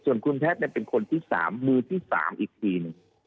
ส่วนคุณแพทย์เป็นคนที่๓มือที่๓อีกทีหนึ่ง